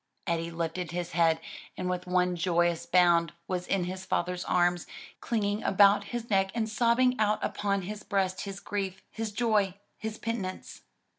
Eddie lifted his head and with one joyous bound was in his fathers arms, clinging about his neck and sobbing out upon his breast his grief, his joy, his penitence.